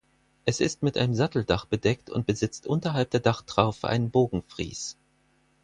Es ist mit einem Satteldach bedeckt und besitzt unterhalb der Dachtraufe einen Bogenfries.